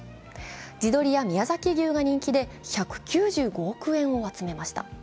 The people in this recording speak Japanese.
地鶏や宮崎牛が人気で１９５億円集めました。